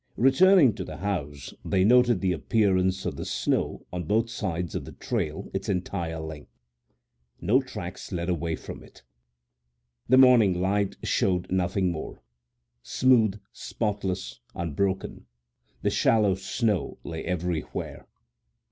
Returning to the house they noted the appearance of the snow on both sides of the trail its entire length. No tracks led away from it. The morning light showed nothing more. Smooth, spotless, unbroken, the shallow snow lay everywhere.